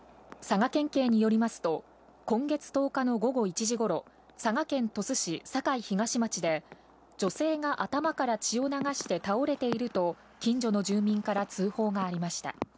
佐賀県警によりますと、今月１０日の午後１時頃、佐賀県鳥栖市酒井東町で女性が頭から血を流して倒れていると近所の住民から通報がありました。